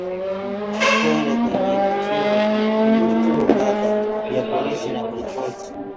Alikwenda kenye vituo kadha vya polisi na kuripot